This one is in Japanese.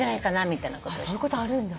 そういうことあるんだ。